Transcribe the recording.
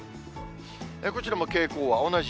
こちらも傾向は同じ。